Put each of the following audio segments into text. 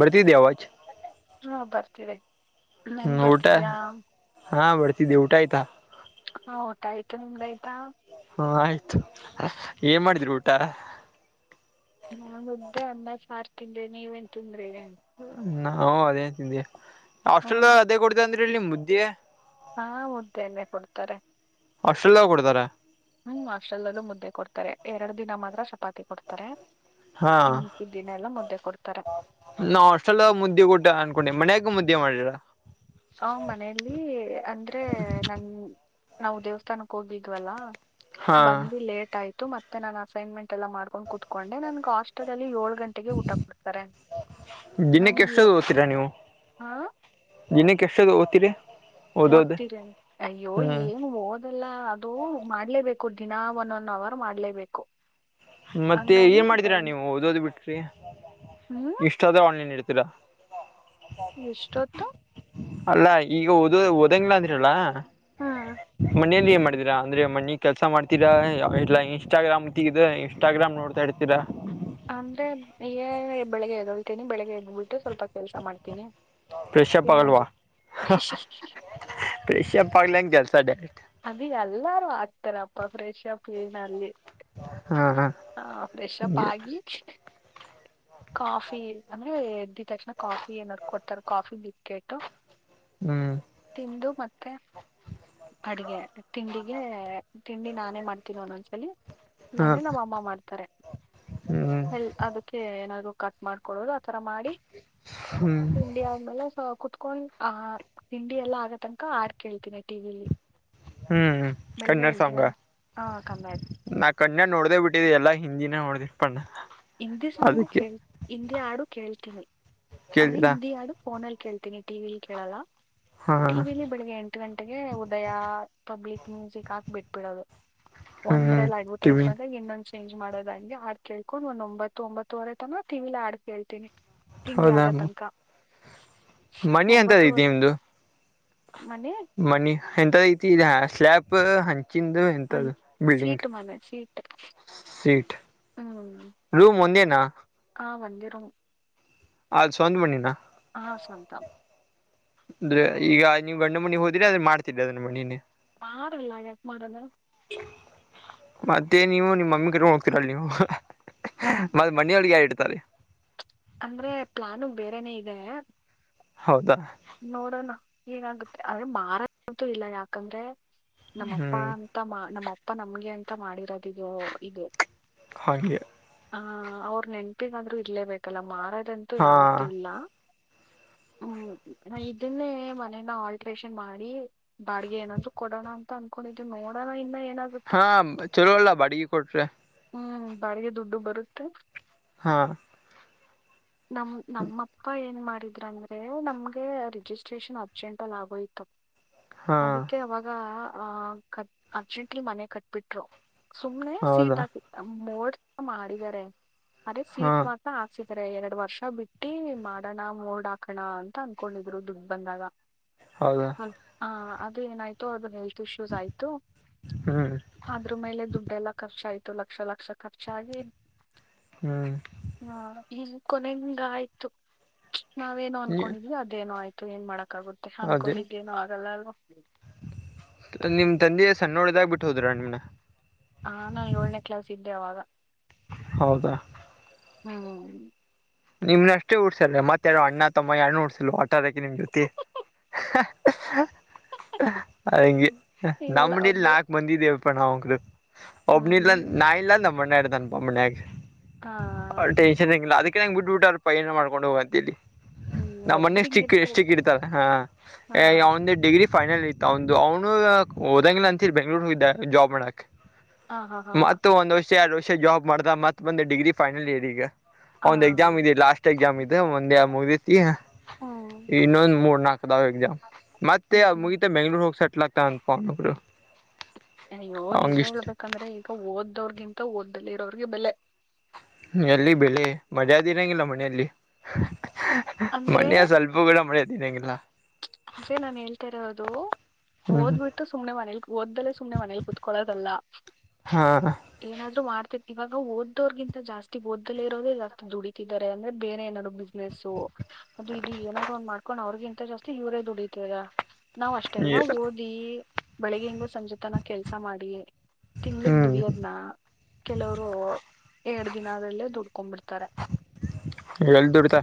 ಬರ್ತಿದ್ದೆ ಅವಾಜ್ ಹಾ ಬರ್ತೀವಿ ಹ್ಮ್ ಊಟ ಹಾ ಬರ್ತಿದ್ದಿ ಊಟ ಆಯ್ತಾ ಹ ಊಟ ಆಯ್ತು ನಿಮ್ದ ಆಾಯ್ತಾ ಹ್ಮ ಆಯ್ತು ಏನ್ ಮಾಡಿದ್ರು ಊಟ ನಾ ಉದ್ದ ಅಮ್ಮ ಸಾರ್ ತಿಂದಿ ನೀವೇನ್ ತಿಂದ್ರ ನಾವು ಅದೇ ತಿಂದಿ ಆಲ್ ಹ್ಮ್ ಅದೇ ಕೊಡ್ತೇ ಅಂದ್ರಿ ನಿಮ್ ಮುುದ್ದಿ ಹಾ ಮುದ್ದೆನ್ನೆ ಕೊಡ್ತಾರೆ ಹಾಸ್ಟೆಲ್ ಕೊಡ್ತಾರೆ ಹ್ಮ್ ಹಾಸ್ಟೆಲ್ದಲ್ಲೂ ಮುದ್ದೆ ಕೊಡ್ತಾರೆ ಎರಡು ದಿನ ಮಾತ್ರ ಚಪಾತಿ ಕೊಡ್ತಾರೆ ಹಾ ಇನ್ ಮಿಕ್ಕಿದ್ ದಿನ ಎಲ್ಲ ಮುದ್ದೆ ಕೊಡ್ತಾರೆ ನಾ ಅಷ್ಟೆಲ್ಲ ಮುದ್ದೆ ಊಟ್ಟ ಅನ್ಕೊಂಡಿ ಮನಯಾಗ ಮುದ್ದೆ ಮಾಡಿರಾ ಆ ಮನೇೆಯಲ್ಲಿ ಅಂದ್ರೆ ನನ್ ನಾವು ದೇವಸ್ಥಾನಕ್ಕೆ ಹೋಗದ್ವಲ್ಲ ಹಾ ಬಂದ್ ಲೇಟ್ ಆಯ್ತು ಮತ್ತೆ ನಾನನ್ ಅಸೈನ್ಮೆಂಟ್ ಎಲ್ಲ ಮಾಡ್ಕೊಂಡು ಕುೂತ್ಕೊಂಡೆ ನನ್ಗೆ ಹಾಸ್ಟೆ ಅಲ್ಲಿ ಏಳ ಗಂಟೆಗೆ ಊಟ ಕೊಡ್ತಾರೆ ನನ ದಿನಕ್ಕೆ ಎಷ್ಟದು ಓದ್ತೀರಾ ಹ ಕೆಷ್ಟಸದ ಅತಿರೆ ಓದ್ತೀರ ಅಯ್ಯೋ ಹ್ಮ್ ಏನು ಓದಲ್ಲ ಅದು ಮಾಡ್ಲೇಬೇಕು ಕು ದಿನ ಒನ್ ಒನ್ ಅವರ್ ಮಾಡ್ಲೇಬೇಕು ಮತ್ತೆ ಹಂಗಾಗಿ ಏನ್ ಮಾಡ್ತೀರಾ ಡೈಲಿ ನೀವು ಓದೋದು್ ಬಿಟ್ರಿ ಹ್ಮ್ ಇಷ್ಟ ಆದ್ರೆ ಆನ್ಲೈನ್ ಇಡ್ತ ಎಷ್ಟೊತ್ತು ಅಲ್ಲ ಈಗ ಓದ ಒಡಂಗಿಲ್ಲ ಅದ್ರಿಯಲ್ಲ ಹ್ಮ್ ಮನೆಲ್ಲಿ ಏನ್ ಮಾಡ್ತೀರಾ ೀಾ ಅಂದ್ರೆ ಮನಿ ಕೆಲಸ ಮಾಡ್ತೀರಾ ಇಲ್ಲ ಇನ್ಸ್ಟಾಗ್ರಾಮ್ ತಗ್ರ ಇನ್ಸ್ಟಾಗ್ರಾಮ್ ನೋಡ್ತಾ ಇರ್ತೀರಾ ಅಂದ್ರೆ ಈ ಬೆಳಿಗ್ಗೆಯದ ಹೊಳ್ತೇನಿ ಬೆಳಗ್ಗೆಯದ ಬಿಟ್ಟ ಸ್ವಲ್ಪ ಕೆಲ್ಸ ಮಾಡ್ತೀನಿ ಫ್ರೆಶ್ ಅಪ್ ಏನಾದ್ರು ಫ್ರೆಶೂಪ್ ಆಗ್ದೆ ಕೆಲ್ಸ ಡೈರೆಕ್ಟ್ ಅದ ಎಲ್ಲಾರು ಹಾಕ್ತಾರಪ್ಪ ಫ್ರೆಶ್ ಅಪ್ ಏನ ಅಲ್ಲಿ ಹಾ ಫ್ರೆಷ್ಪ್ ಆಗಿ ಹೌ ಕಾಫಿ ಅಂದ್ರೆ ಎದ್ದ ತಕ್ಷಣ ಕಾಫಿ ಏನಾದ್ರು ಕೊಡ್ತಾರ ಕಾಫಿ ಬಿಸ್ಕೆಟ ಹ್ಮ್ ತಿಂದು ಮತ್ತೆ ಅಡ್ಗೆ ತಿಂಡಿಗೆ ತಿಂಡಿ ನಾನೇ ಮಾಡ್ತೀನಿ ಅನ್ನೊಂದ್ಸಲಿ ಹಾ ಇಲ್ಲಂದ್ರೆ ನಮ್ಮ ಅಮ್ಮ ಮಾಡ್ತಾರೆ ಹ್ಮ್ ಎಲ್ ಅದಕ್ಕೆ ಏನಾದರು ಕಟ್ ಮಾಡ್ಕೊಡೋದು ಆಥರ ಮಾಡಿ ಹ್ಮ್ ತಿಂಡಿ ಆದ್ಮೇಲೆ ಕುತ್ ಕಕೊಂಡ್ ಆ ತಿಂಡಿ ಎಲ್ಲಾ ಆಗತನಕ ಆರ್ ಕೇಳ್ತಿನಿ ಟಿವಿನಲ್ಲಿ ಹೂ ಹೂ ಕನ್ನಡ ಸಾಂಗ ಹಾಂ ಕನ್ನಡ ನಾ ಕನ್ನಡ ನೋಡ್ದೆ ಬಿಟ್ಟಿದೆ ಎಲ್ಲಾ ಹಿಂದಿನ ಮೂ ಪಣ್ಣ ಹಿಂದಿ ಸಾಂಗು ಕ ಹಿಂದಿ ಹಾಡು ಕೇಳ್ತೀನಿ ಆದ್ರೆ ಕೇಳಿದೀರಾ ಹಿಂದಿ ಹಾಡು ಫೋನಲ್ಲಿ ಕೇಳ್ತೀನಿ ಟಿವಿಲಿ ಕೇಳಲ್ಲ ಹಾ ಟಿವಿಲಿ ಬೆಳಿಗ್ಗೆ ಎಂಟು ಗಂಟೆಗೆ ಉದಯ ಪಬ್ಲಿಕ್ ಮ್ಯೂಸಿಕ್ ಹಾಕ್ ಬಿಟ್ಬಿಡೋದು ಹ್ಮ್ ಒಂದ್ರಲ್ಲಿ ಅಡ್ವರ್ಟೈಸ್ ಟಿವಿ ಬಂದಾಗ ಇನ್ನೊಂದ ಚೇಂಜ್ ಮಾಡೋದ ಹಂಗೆ ಆಡ್ ಕೇಳ್ಕೊಂಡು ಒಂದ್ ಒಂಬತ್ತು ಒಂಬತ್ತುವರೆ ತನ ಟಿವಿಲ್ಲಿ ಹಾಡ್ ಕೇಳ್ತೀಿನಿ ತಿಂಡಿ ಆಗತನಕ ಮಣಿ ಅಂತದ ಐತಿ ನಿಮ್ದು ಮನೆ ಎಂತ ಐತಿ ಇ ಸ್ಲ್ಾಬ್ ಹ ಹ ಸೀಟ್ ಮನೆ ಸೀಟ್ ಸೀಟ್ ಹ್ಮ್ ರೂಮ್ ಒಂದೇನಾ ಇರಂ ಅ ಸವಂದ ಮಣಿನ ಹ ಸವಂತ ಅಂದ್ರೆ ಈಗ ನೀವು ಗಂಡು ಮನಿ ಹೋದ್ರೆ ಅದ್ರ ಮಾಡ್ತಿರಿ ಅದ್ರನ್ನ ಮನಿನೇ ಮಾಡಲ್ಲ ಯಾಕ್ ಮಾಡಲ್ಲ ಮತ್ತೆ ನೀವು ನಿಮ್ಮ ಮಮ್ಮಿ ಕಟ್ಕೊಂಡ ಹೋಗ್ತೀರಲ್ ನೀವು ಮತ್ತ ಮನಿಯೊಳಗೆ ಯಾರ ಇಡ್ತಾರೆ ಅಂದ್ರೆ ಪ್ಲಾನಗ್ ಬೇರೆನೆೇ ಇದೆ ಹೌದಾ ನೋಡೋಣ ಏನಾಗುತ್ತೆ ಆದ್ರೆ ಮಾರಂತುದಿಲ್ಲ ಯಾಕಂದ್ರೆ ನಮ್ಮಪ್ಪ ಹ್ಮ್ ಅಂತ ಮಾ ನಮ್ಮಪ್ಪ ನಮ್ಗೆ ಅಂತ ಮಾಡಿರೋದ ಇದು ಇದು ಹಾಗೆ. ಹ ಅವ್ರ ನೆನ್ಪಿಗಾದ್ರೂ ಇರ್ಲೇಬೇಕಲ್ಲ ಮಾರದಂತೂ ಹಾ ಯಾವತ್ತು ಇಲ್ಲ. [inaudible] ಹ್ಮ್. ನ ಇದನ್ನೇ ಮನೇನ ಆಲ್ಟ್ರೇಷನ್ ಮಾಡಿ ಬಾಡಿಗೆ ಏನಾದ್ರು ಕೊಡೋಣ ಅಂತ ಅನ್ಕೊಂಡಿದ್ವಿ ಮ ಕೊಡಲ್ಲ ಏನಿಲ್ಲ ಹಾ ಚಲೋ ಅಲ್ಲ ಬಾಡಿಗೆ ಕೊಟ್ರೆ ಹ್ಮ್ ಬಾಡಿಗೆ ದುಡ್ಡು ಬರುತ್ತೆ ಹಾ ನಮ ನಮ್ಮಪ್ಪ ಏನ್ ಮಾಡಿದ್ರ ಅಂದ್ರೆ ನಮ್ಗೆ ರಿಜಿಸ್ಟ್ರೇಷನ್ ಅರ್ಜೆಂಟ್ಲ್ಲಿ ಆಗೋಯತ ಹಾ ಅದಕ್ಕೆ ಅವಾಗ ಆ ಕ ಅರ್ಜೆಂಟ್ಲಿ ಮನೆ ಕಟ್ಬಿಟ್ರು ಸುಮ್ನೆ ಹೌದಾ ಸೀಟ್ ಹಾಕಿ ಮೋ ಮಾಡಿದಿದ್ದಾರೆ ಅರೆ ಹಾ ಸೀಟ್ ಮಾತ್ರ ಹಾಕ್ಸಿದೆ ಎರಡ್ ವರ್ಷ ಬಿಟ್ಟಿ ಮಾಡೋಣ ಮೋರ್ಡ್ ಹಾಕಣ ಅಂತ ಅನ್ಕೊಂಡಿದ್ರು ದುಡ್ ಬಂದಾಗ. ಹೌದಾ ಹ ಅದೇ ಏನಾಯ್ತು ಅದ ಹೆಲ್ತ್ ಇಶ್ಯೂಸ್ ಆಯ್ತು ಹ್ಮ್ ಅದ್ರ ಮೇಲೆ ದುಡ್ಡೆ ಎಲ್ಲಾ ಖರ್ಚ ಆಯ್ತು. ಲಕ್ಷ ಲಕ್ಷ ಖರ್ಚಾಗಿ ಹ್ಮ್ ಹ ಈ ಕೊನೆಂಗ ಆಯ್ತು, ನಾವೇನೋ ಅನ್ಕೊಂಡಿದೀವಿ ಅದೇನೋ ಆಯ್ತು ಹೆಂಗ ಮಾಡಕ್ ಯಾಗುತ್ತೆ ಅನ್ಕೊಂಡಿದ್ದೇನೂ ಆಗಲ್ಲ ಅಲ್ವಾ. ನಿಮ ತಂದೆ ಸಣ್ಣ ಒಡದಾಗ್ ಬಿಟ್ಟು ಹೋದ್ರ ನಿಮ್ನ. ಹ ನನ್ ಯೂಲ್ನೆ ಕ್ಲಾಸ್ ಇದ್ದೆ ಅವಾಗ. ಹೌದಾ. ಹ್ಮ್. ನಿಮ್ನ ಅಷ್ಟೇ ಉಡ್ಸಲ್ ಮತ್ತೆ ಯಾರೋ ಅಣ್ಣ ತಮ್ಮ ಯಾರು ಉಡ್ಸಲ್ ಅಟ್ಟಡಕೆ ನಿಮ್ ಜೊತಿ. ಹ. ಹಂಗೆ ಇಲ್ಲ ನಮ್ಮನೇಲಿ ಒಬ್ಳು ನಾಲ್ಕು ಮಂದಿ ಇದೇವಪ್ಪ ನವಗಲ್. ಒಬ್ ಹ್ಮ್ ನಿಲ್ಲ ಹ್ಮ್ ಅ ಇಲ್ಲಾ ಅಂದ್ರೆ ನಮ್ ಅಣ್ಣ ಇರ್ತನೆಪ ಮನ್ಯಾಗೆ, ಹಾ ಟೆನ್ಶನ್. [unintelligible] ಅದಿಕೆ ನನ್ ಬಿಡ್ಬ ಬಿಟ್ಟಾರ ಪ ಏನ ಮಾಡ್ಕೊಂಡ್ ಹೋಗತೀನಿ. ಹ್ಮ್ ನಮ್ಮ್ ಮನೆ ಒಬ್ರು ಎಷ್ಟ್ ಚಿಕ್ ಹಿಂಗಿರ್ತ ಎಷ್ಟ್ ಚಿಕ್ ಒಬ್ರು ಇರ್ತಾವೆ, ಹಾ ಹಾ ಅವಂದ ಡಿಗ್ರಿ ಫೈನಲ್ ಐತ್ತು ಅವಂದು ಅವ್ನು ಹೋದಂಗಿಲ್ಲ ಅಂತೀರಿ ಬೆಂಗ್ಳೂರು ಹೋಗ್ದೆ ಜಾಬ್ ನೋ ಹಾ ಹಾ ಹಾ. ಚಾರ ಎರಡ್ ವರ್ಷ ಜಾಬ್ ಮಾಡ್ದ ಮತ್ತ ಬಂದೆ ಡಿಗ್ರಿ ಫೈನಲ್ ಇಯರ್ ಈಗ. ಹಾ ಅವನ್ದು ಎಕ್ಸಾಮ್ ಇದೆ, ಲಾಸ್ಟ ಎಕ್ಸಾಮ್ ಇದೆ, ಒಂದ್ ಯಾವ್ ಮುಗತಿಥಿ ಹ್ಮ್ ಇನೊಂದು ಮೂರ್ ನಾಲ್ಕ್ [unintelligible] ಮತ್ತೆ ಹ್ಮ್ ಹ್ಮ್ ಮುಗಿತ ಬೆಂಗ್ಳೂರ್ ಹೋಗಿ ಸೆಟ್ಲ್ ಆಗ್ತ ಅನ್ಪೊಂಡೊಬ್ರು. ಆಯೋ ನಿಜ ಹೇಳ್ಬೇಕಂದ್ರೆ ಈಗ ಓದ್ದವ್ರಗಿಂತ ಓದ್ದಲ್ಲಿ ಇರೋರಿಗೆ ಬೆಲೆ. ಎಲ್ಲಿ ಬೆಲೆ ಮರ್ಯಾದಿಇಲ್ಲಗಿಲ್ಲ ಮನೆಯಲ್ಲಿ. ಅಂದ್ರೆ ಮನೆಯ ಸ್ವಲ್ಪ ಕೂಡ ಮರ್ಯಾದಿನಂಗಿಲ್ಲ. ಅಂದ್ರೆ ನಾನು ಹೇಳ್ತಾ ಇರೋದು ಹ್ಮ್ ಓದ್ಬಿಟ್ಟು ಸುಮ್ಮನೆಮನೆಲ್ ಓದ್ದಲೆ ಸುಮನ್ನೇ ಮನೆಲ್ ಕುತ್ಕೊಳ್ಳದಲ್ಲ. ಹಾ ಏನಾದ್ರು ಮಾಡ ಇವಾಗ ಓದೋರ್ಗಿಂತ ಜಾಸ್ತಿ ಓದ್ದದೇ ಇರೋದೇ ಜಸ್ತಿ ದುಡಿತಿದಿದ್ದಾರೆ ಅಂದ್ರೆ ಬೇರೆ ಏನಾದ್ರು ಬ್ಯುಸಿನೆಸ್ಸು ಅದು ಇದು ಏನಾದ್ರು ಒಂದ್ ಮಾಡ್ಕೊಂಡ್ ಅವ್ರಿಗಿಂತ ಜಾಸ್ತಿ ಇವರೇ ದುಡಿತರೆ ನಾವ್ ಅಷ್ಟೆಲ್ಲಾ ಓದಿ ಬೆಳಿಗ್ ಹಿಂಗ್ ಸಂಜತನ ಕೆಲ್ಸ ಮಾಡಿ ತಿಂಗ್ಳಗ್ ಹ್ಮ್ ದುಡಿಯೋದ್ನ ಕೆಲವರು ಎರಡ್ ದಿನದಲ್ಲೇ ದುಡ್ಕೊ್ ಬಿಡ್ತಾರೆ. ಎಲ್ ದುಡಿತ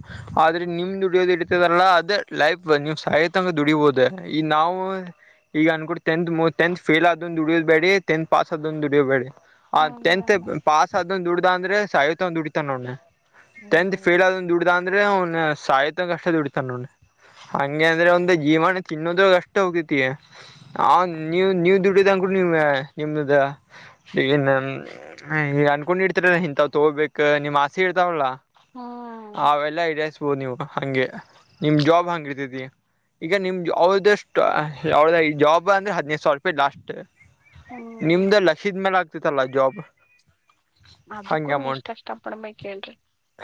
ಆದ್ರೆ ನಿಮ್ ದುಡಿಯೋದು ಇರ್ತದಲ್ಲ ಅದೇ ಲೈಫ್ ನೀವು್ ಸಾಯತಂಕ ದುಡಿಬೋದು. ಈ ನಾವು ಈಗ ಅನ್ಕೊಂಡು ಟೆಂತ್ ಟೆಂತ್ ಫೇಲ್ ಆದ ದುಡಿಯೋ ಬೇಡಿ ಟೆಂತ್ ಪಾಸ್ ಆದಂದು ದುಡಿಯೋಬೇಡಿ. ಆ ಹ್ಮ್ ಟೆಂತ್ ಪಾಸ್ ಆದ್ ದುಡ್ದ ಅಂದ್ರೆ ಸಾಯತಂಕ ದುಡಿತಾ ನೋಡನ್. ಟೆಂತ್ ಹ್ಮ್ ಫೇಲ್ ಆದ ದುಡ್ದ ಅಂದ್ರೆ ಅವನ ಸಾಯತಂಕ ಕಷ್ಟ ದುಡತಾನ ನೋ ಹಂಗೆ ಅಂದ್ರೆ ಒಂದ ಜೀವನ ತಿನ್ನೋದ್ರಗ್ ಅಷ್ಟ ಹೋಗ್ತೇತಿ ನೀವ್ ನೀವ್ ದುಡದಂಗ್ ನೀವ ನಿಮ್ದ ಈಗ ಅನ್ಕೊಂಡ್ಡ್ತರ ಇಂತ ತಗೋಬೇಕ ನಿಮ್ಮ ಆಸೇ ಇತಾವಲ್ಲ ಹ್ಮ್ ಅವೆಲ್ಲಾ ಈಡೇರ ನೀವು ಹಗೆ ನಿಮ್ ಜಾಬ್ ಹಂಗ ಇದ್ದೀಯ ಈಗ ನಿಮ್ ಅವ್ದಷ್ಟ್ದ ಈ ಜಾಬ್ ಅಂದ್ರೆ ಹದಿನೈದು ಸಾವಿರ ರೂಪಾಯಿ ಲಾಸ್ಟ್ ಹ್ಮ್ ನಿಮ್ದ ಲಸಿದ್ ಮೇಲೆ ಆಗ್ತಿತ್ತಲ್ಲ ಜಾಬ್. ಅದಕ್ಕೂನು ಎಷ್ಟ್ ಕಷ್ಟ ಪಾಡ್ಬೇಕೈಕ್ ಹೇಳ್ರಿ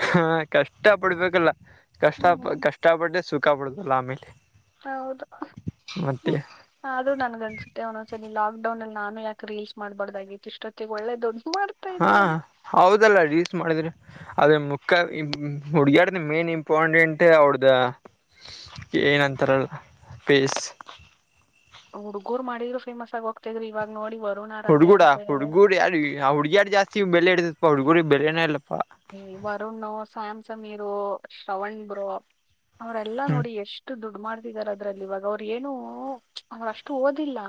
ಹಾ ಕಷ್ಟ ಪಡ್ಬೇಕಲ್ಲ ಕಷ್ಟ ಹ್ಮ್ ಕಷ್ಟ ಪಡ್ರೆ ಸುಖ ಪಡುದಲ್ಲ ಆಮೇಲೆ. ಹೌದು ಮತ್ತೆ ಅದು ನನ್ಗನ್ಸುತ್ತೆ ಒಂದೊಂದ್ಸ ಲಾಕ್ಡೌನ್ ಅಲ್ಲಿ ನಾನು ಯಾಕೆ ರೀಲ್ಸ್ ಮಾಡ್ಬಾರ್ದಾಗಿತ್ತು ಇಷ್ಟೊತ್ತಿಗೆ ಒಳ್ಳೇ ದುಡ್ಡ ಹಾ ಹೌದಲ್ಲ ರೀಸ್ ಮಾಡಿದ್ರೆ ಅದೇ ಮುಖ ಹುಡುಗ್ಯಾರ್ದ ಮೇನ್ ಇಂಪಾರ್ಟೆಂಟ್ ಅವಡ್ದ ಏ ನಂತರ ಪೇಸ್. ಹುಡ್ಗೂರ್ ಮಾಡಿದ್ ಫೇಮಸ್ ಆಗೋಗ್ತೀದ್ರೂ ಇವಾಗ ನೋಡಿ ವ ಹುಡ್ಗುಡ ಹುಡುಗುರು ಯಾರ ಹುಡ್ಗ್ಯಾರು ಜಾಸ್ತಿ ಬೆಲೆ ಇಡ್ದಪ ಹುಡುಗು ಬೆಲೆನ ಇಲ್ಲಪ್ಪಾ ಈ ವರುಣ ಸ್ಯಾಮ್ ಸಮಮೀರು ಶ್ರವಣ್ ಬ್ರೋ ಅವರೆೆಲ್ಲಾ ಹ್ಮ್ ನೋಡಿ ಎಷ್ಟು ದುಡ್ ದುಡ್ಡು ಮಾಡ್ತಿದರೆ ಅದ್ರಲ್ಲಿ ಇವಾಗ ಅವ್ರು ಏನು ಅವ್ರಷ್ಟು ಓದಿಲ್ಲ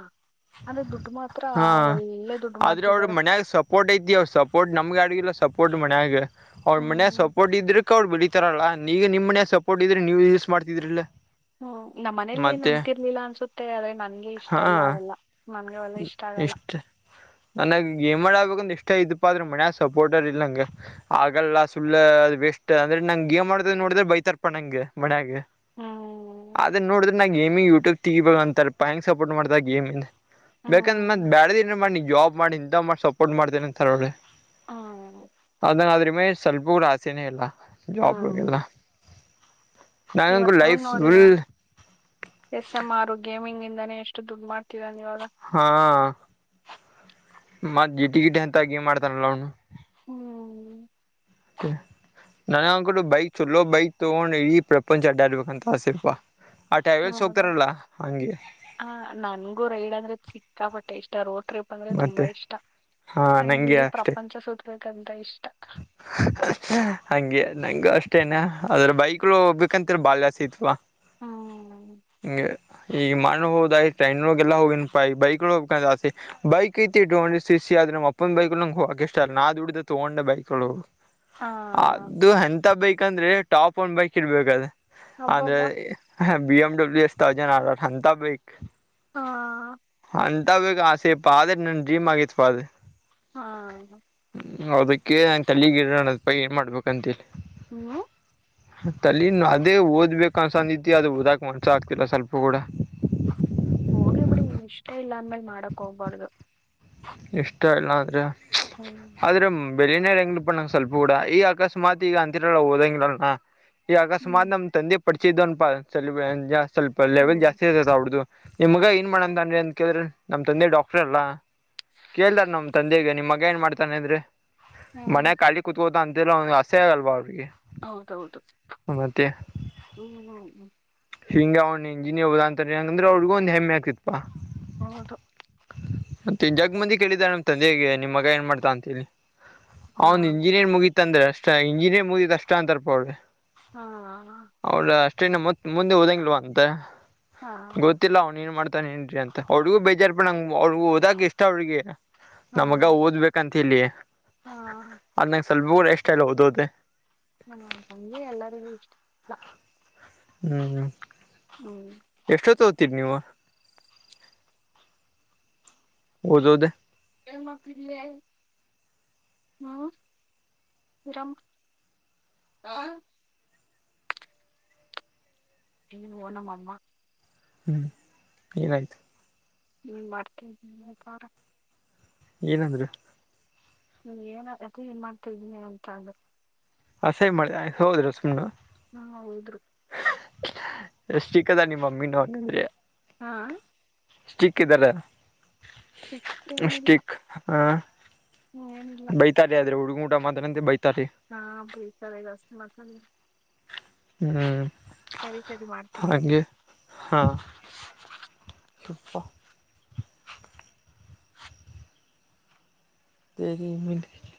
ಆದ್ರೆ ದುಡ್ಡು ಮಾತ್ರ ಹಾ ಒಳ್ಳೆ ದುಡ್ಡು ಆದ್ರೆ ಅವ್ರ ಮಾಡ್ತಿದ್ದಾರೆ ಮನ್ಯಾಗ ಸಪೋರ್ಟ್ ಐತಿ ಅವ ಸಪೋರ್ಟ್ ನಮ್ಗೆ ಆಡಗಿಲ್ಲ ಸಪೋರ್ಟ್ ಮನೆಯಾಗ ಅವ್ರ ಮನೆಯ ಹ್ಮ್ ಸೊಪೋರ್ಟ್ ಇದರುಕ್ಕ ಅವರು ಬೆಳಿತ ಇತರಲ್ಲಾಗ ನಿಮ್ಮ ಮನ ಸಪೋರ್ಟ್ ಇದ್ರೆ ನೀವು ಯೂಸ್ ಮಾಡ್ತಿದ್ರಿಲ್ಲ ಹ್ಮ ನಮ್ಮ ಮನೇಲಿ ಏನ್ ಮತ್ತೆ ಅಂತಿರ್ಲಿಲ್ಲ ಅನ್ಸುತ್ತೆ ಆದ್ರೆ ನನ್ಗೆ ಇಷ್ಟ ಹಾ ಇಲ್ಲ ಅವೆಲ್ಲಾ ಇಷ್ಟ ನನಗೆ ಗೇಮ್ರ್ ಆಗ್ಬೇಕಂದ ಇಷ್ಟ ಇದಪ್ಪಾ ಆದ್ರ ಮನ ಸಪೋರ್ಟರ್ ಇಲ್ಲ ನಂಗೆ ಆಗಲ್ಲ ಸುಳ್ಳ ಅ ವೇಸ್ಟ್ ಅಂದ್ರೆ ನಂಗೆ ಗೇಮ್ ಆಡೋದು ಆಡಿದ್ರೆ ಬೈತರ್ಪ ನಂಗೆ ಮನ್ಯಾಗ ಹ್ಮ್ ಅದೇ ನೋಡಿದ್ರೆ ನಾ ಗೇಮಿಂಗ ಯೂಟ್ಯೂಬ್ ತೆಗಿಬಹುದು ಅಂತಾರೆ ಹೆಂಗ್ ಸಪೋರ್ಟ್ ಮಾಡ್ತ ಗೇಮಿ್ ಬೇಕಂದ್ರ ಹ್ಮ್ ಮತ್ ಬೆರೆದನ್ ಮಾಡಿ ನೀನ್ ಜಾಬ್ ಮಾಡಿ ಇಂತ ಮಾಡಿ ಸಪೋರ್ಟ್ ಮಾಡ್ತೇನ ಅಂತರೋಳಿ ಹಾ ಇಂಗ ಆದ್ರ ಮೇಲೆ ಸ್ವಲ್ಪ ಕೂಡ ಆಸೆನೇ ಇಲ್ಲ ಜಾಬ್ಗೆಲ್ಲ ಇವ ನಂಗಂಗೂ ಲೈಫ್ ನೋಡಿ full S M R gaming ಇಂದಾನೇ ಎಷ್ಟು ದುಡ್ ಮಾಡ ಹಾ ಮತ್ ಜಿಟ್ಟಿ ಗಿಟಿ ಅಂತ ಗೇಮ್ ಮಾಡ್ತಾನಲ್ಲ ಅವನು ಹ್ಮ್ ನನಗೆ ಅನ್ಕಟ್ಟು ಬೈಕ್ ಚಲೋ ಬೈಕ್ ತಗೊಂಡು ಇಡಿ ಪ್ರಪಂಚ ಅಡ್ಡಾಡ್ಬೇಕಂತ ಆಸೆಲ್ಪ ಹೌದ ನನ್ಗೂ ರೈಡ್ ಅಂದ್ರೆ ಸಿಕ್ಕಾಪಟ್ಟೆ ಇಷ್ಟ ರೋಡ್ ಟ್ರಿಪ್ ಅಂದ್ರೆ ತುಂಬಾ ಮತ್ತೆ ಇಷ್ಟ ಹಾ ನಂಗೆ ಇಡೀ ಪ್ರಪಂಚ ಸುತ್ತಬೇಕು ಅಂತ ಇಷ್ಟ [inaudible] ಹಗೆ ನಂಗ ಅಷ್ಟೇನೆ ಅದ್ರ ಬೈಕ್ಳ ಹೋಗ್ಬೇಕಂತರ ಬಾಳ್ ಆಸೇ ಇತಪ್ಪ ಹ್ಮ್ ಹಂಗೆ ಈಗ ಮೊನ್ನೆ ಹೋದಗಾ ಟ್ರೈನ್ನಾಗ ಎಲ್ಲ ಹೋಗಿನಿಪ್ಪ ಈಗ ಬೈಕ್ ಹೋಗಬೇಕು ಅಂತ ಆಸೇ ಬೈಕ್ ಆತಿ ಟು ಹಂಡ್ರೆಡ್ ಸಿ ಸಿ ಆದ ನಮ್ಮಪ್ಪ ಬೈಕ್ನಾಗ ಹೋಗೋಕೆ ಇಷ್ಟನಾ ದುಡಿದ ತಕೊಂಡ ಬೈಕ್ ಹಾ ಅದು ಎಂತ ಬೈಕ್ ಅಂದ್ರೆ ಟಾಪ್ ಒನ್ ಬೈಕ್ ಇರಬೇಕು ಅಂದ್ರೆ ಅಬ್ಬಬ್ಬ ಬಿ ಎಮ್ ಡಬ್ಲ್ಯೂ ಎಸ್ ತಕೊಂತೀನಿಅಂತ ಬೈಕ್ ಹಾ ಅಂತ ಬೈಕ್ ಆಸೆಪ್ಪಾ ಅದೇ ನಮ್ಮ ಜೀವಆಗಿತ್ತುಪ್ಪಾ ಅದು ಹಾ ಅದಕ್ಕೆ ನಾನ್ ತಲೇಗಿರ್ ಅಂತಪ್ಪ ಏನ್ ಮಾಡಬೇಕು ಅಂತ ಹೇಳಿ ಹ್ಮ್ ತಲಿ ಅದೇ ಓದ್ಬೇಕ ಅನ್ಸಂದತಿ ಅದು ಓದಾಕ್ ಮನ್ಸ ಆಗ್ತಿಲ್ಲ ಸ್ವಲ್ಪ ಕೂಡ [inaudible] ಹೋಗಿಬಿಡಿ ನೀನ್ ಇಷ್ಟ ಇಲ್ಲ ಆದ್ಮೇಲೆ ಮಾಡಕ್ ಹೋಗ್ಬಾರ್ದು ಇಷ್ಟ ಇಲ್ಲ ಆದ್ರೆ ಹ್ಮ್ ಬೆಲೆನೇ ಇಲ್ಲ ಈಗ ಸ್ವಲ್ಪ ಕೂಡ ಈಗ ಅಕಸ್ಮಾತ್ ಈಗ ಅಂತಿರಲ್ಲ ಓದಂಗಿಲ್ಲ ಈಗ ಹ್ಮ್ ಅಕಸ್ಮಾತ್ ನಮ್ ತಂದೆ ಪರಿಚಯಾ ಇದ್ದವನುಪಾ ಫ್ರೆಂಡ್ ಸ್ವಲ್ಪ ಲೆವೆಲ್ ಹ್ಮ್ ಜಾಸ್ತಿ ಇದ್ದದ್ದು ಅವರ್ದು ನಿಮ್ಗ ಏನ್ ಮಾಡನಾನಿ ಅಂತ ಕೇಳಿದ್ರೆ ನಮ್ ತಂದೆ ಡಾಕ್ಟರ್ ಅಲ್ಲಾ ಕೇಳ್ದಾರ ನಮ್ ತಂದೆಗೆ ನಿಮ್ಮ ಮಗ ಏನ್ ಮಾಡ್ತಾನ ಇದ್ರೆ ಮನೆ ಹ್ಮ್ ಖಾಲಿ ಕುೂತ್ಕೋ ಅಂತಲ್ಲ ಅಂತಿಯಲ್ಲ ಅಸ್ಸಯ್ಯ ಅವಾಗಲ್ವ ಅವ್ರಿಗೆ ಹೌದೌದು ಮತ್ತೆ ಹ್ಮ್ ಹ್ಮ್ ಹ್ಮ್ ಹಿಂಗ ಅವ್ ಇಂಜಿನಿಯರ್ ಓದ ಅಂತ ಆದ್ರೆ ಅವ್ರಿಗು ಒಂದ ಹೆಮ್ಮೆ ಆಕತಿತ್ತು ಹೌದು ಮತ್ತನ್ ಜಗ್ ಮಂದಿ ಕೇಳಿದಿದ್ದಾರೆ ನಮ್ ತಂದೆಗೆ ನಿಮ್ ಮಗ ಏನ್ ಮಾಡ್ತಾ ಅಂತೇಳಿ ಹಾ ಅವನ್ ಇಂಜಿನಿಯರ್ ಮುಗೀತ್ ಅಂದ್ರೆ ಅಷ್ಟ ಇಂಜಿನಿಯರ್ ಮುಗಿದ್ ಅಷ್ಟ ಅಂತರ್ಪ ಅವ್ರಿ ಹ್ಮ ಮುಂದೆ ಓದಂಗಲ್ವಾ ಅಂತ ಹಾ ಗೊತ್ತಿಲ್ಲ ಅವ್ನ್ ಏನ್ ಮಾಡ್ ಅಂತ ಅವ್ಗೂ ಬೇಜಾರ್ ಬ ನಂಗೆ ಅವ್ಗ ಹೋದಕ್ ಇಷ್ಟ ಅವ್ರಿಗೆ ಹಾ ನಮ್ ಮಗ ಓದ್ಬೇಕಂತ ಹೇಳಿ ಹಾ ಸ್ವಲ್ಪ ಕೂಡ ಇಷ್ಟ ಇಲ್ಲ ಓದೋದೆ ಹಾ ಹಂಗೆ ಎಲ್ಲರಿಗೂ ಇಷ್ಟ ಇಲ್ಲ ಹ್ಮ್ ಹ್ಮ್ ಎಷ್ಟೊತ್ತೋತೀರಿ ನೀವು ಓದೋದೇ [inaudible] [unintelligible] ನೀ ಓನಮ್ಮಮ್ಮ ಹ್ಮ್ ಏನಾಯ್ತು ನೀನ್ ಮಾಡರ್ತೇಿತಾರ ಏನಂದ್ರು ಹ್ಮ ಏನ್ ಅದ ಏನ್ ಮಾಡ್ತಾ ಇದಿದ್ದೀನಿ ಅಂತ ಅಂದ್ರು [unintelligible] ಹ್ಮ ಹೌದು ಎಷ್ಟ ಸಿಕ್ಕದಾ ನಿಮ್ಮ ಮಮ್ಮಿ ನಂದ್ರೆ ಹಾ ಸ್ಟಿಕ್ ಇದ್ದಾರೆ ಸಿಟ್ಟೇನಿಲ್ಲ ಸ್ಟಿಕ್ ಹ ಏನಿಲ್ಲ ಬೈತಾರೆ ಆದ್ರೆ ಹುಡುಗ ಕೂಟ ಮಾತಾಡ್ರೆ ಅಂದ್ರೆ ಹಾ ಬೈತಾರೆ ಜಾಸ್ತಿ ಮಾತಾಡಿದ್ರೆ ಹ್ಮ್ ಸರಿ ಸರಿ ಮಾಡ್ತೀನಿ ಹಾ [inaudible] [inaudible]